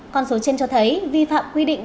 còn số trên cho thấy vi phạm quy định